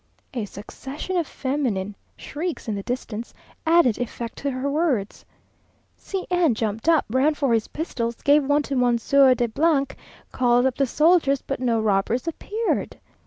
A succession of feminine shrieks in the distance, added effect to her words. C n jumped up, ran for his pistols, gave one to Monsieur de , called up the soldiers, but no robbers appeared.